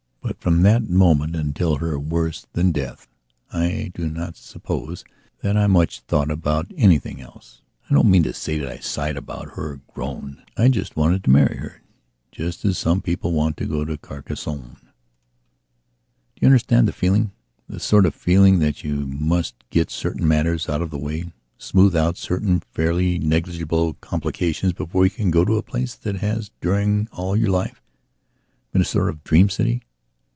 But, from that moment until her worse than death, I do not suppose that I much thought about anything else. I don't mean to say that I sighed about her or groaned; I just wanted to marry her as some people want to go to Carcassonne. Do you understand the feelingthe sort of feeling that you must get certain matters out of the way, smooth out certain fairly negligible complications before you can go to a place that has, during all your life, been a sort of dream city?